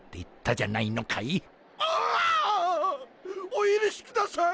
おゆるしください！